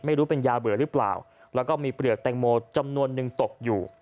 ไม่รู้เป็นยาเบื่อหรือเปล่าแล้วก็มีเปลือกแตงโมจำนวนนึงตกอยู่